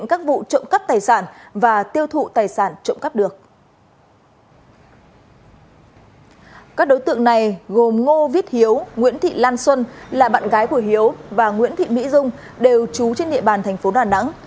các đối tượng này gồm ngô viết hiếu nguyễn thị lan xuân là bạn gái của hiếu và nguyễn thị mỹ dung đều trú trên địa bàn thành phố đà nẵng